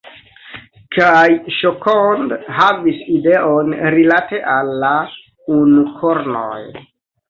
Kaj Ŝokond havis ideon rilate al la unukornoj.